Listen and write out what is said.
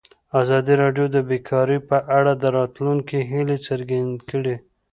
ازادي راډیو د بیکاري په اړه د راتلونکي هیلې څرګندې کړې.